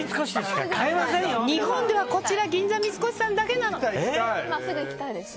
日本ではこちら銀座三越さんだけなの！